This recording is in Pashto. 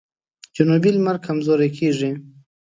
جنوبي لمر کمزوری کیږي.